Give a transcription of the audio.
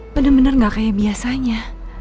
bener bener gak kayak biasanya